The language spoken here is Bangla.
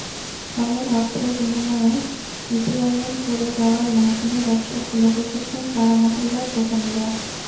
ফলে অর্থের বিনিময়ে ইটিআইএন করে দেওয়ার মৌসুমি ব্যবসা খুলে বসেছেন পাড়া-মহল্লার দোকানিরা।